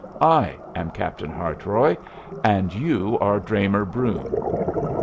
"I am Captain Hartroy and you are Dramer Brune."